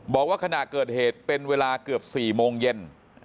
บอกว่าขณะเกิดเหตุเป็นเวลาเกือบ๔โมงเย็น